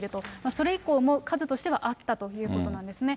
それ以降も、数としてはあったということなんですね。